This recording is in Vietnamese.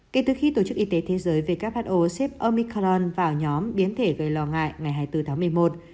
kể từ khi tổ chức y tế thế giới who xếp omican vào nhóm biến thể gây lo ngại ngày hai mươi bốn tháng một mươi một